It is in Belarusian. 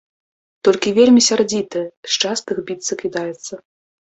Толькі вельмі сярдзітая, з частых біцца кідаецца.